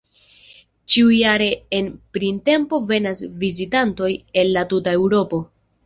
Ĉiujare en printempo venas vizitantoj el la tuta Eŭropo.